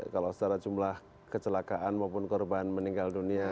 karena jumlah kecelakaan maupun korban meninggal dunia